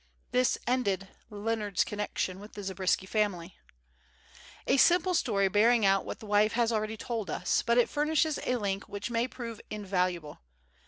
This ended Leonard's connection with the Zabriskie family. A simple story bearing out what the wife has already told us; but it furnishes a link which may prove invaluable.